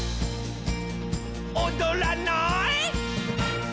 「おどらない？」